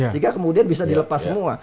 sehingga kemudian bisa dilepas semua